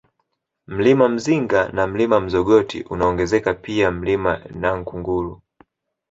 Mlima Mzinga na Mlima Mzogoti unaongezeka pia Mlima Nankungulu